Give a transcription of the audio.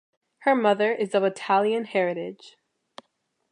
Her mother is of Italian heritage.